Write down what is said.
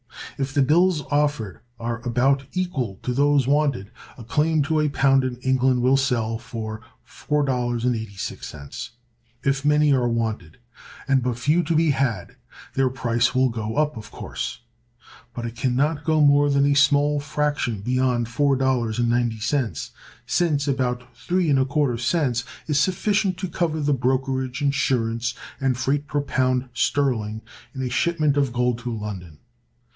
If the bills offered are about equal to those wanted, a claim to a pound in England will sell for $4.86. If many are wanted, and but few to be had, their price will go up, of course; but it can not go more than a small fraction beyond $4.90, since about 3 ¼ cents is sufficient to cover the brokerage, insurance, and freight per pound sterling in a shipment of gold to London.